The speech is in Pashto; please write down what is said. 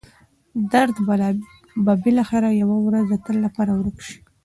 درد به بالاخره یوه ورځ د تل لپاره ورک شي.